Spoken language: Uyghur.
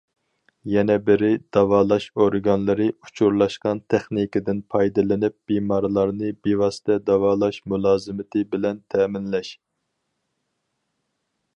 يەنە بىرى، داۋالاش ئورگانلىرى ئۇچۇرلاشقان تېخنىكىدىن پايدىلىنىپ بىمارلارنى بىۋاسىتە داۋالاش مۇلازىمىتى بىلەن تەمىنلەش.